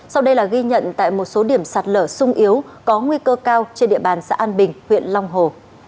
sau đây là ghi nhận tại một số điểm sạt lở sung yếu có nguy cơ cao trên địa bàn xã an bình huyện long hồ